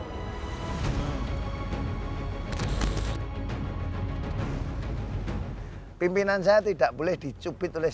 hai pimpinan saya tidak boleh dicubit oleh